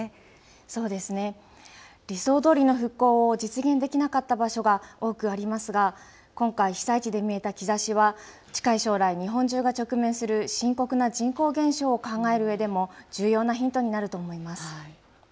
そうですね。理想どおりの復興を実現できなかった場所が多くありますが、今回、被災地で見えた兆しは、近い将来、日本中が直面する深刻な人口減少を考えるうえでも、重要なヒントになると思います。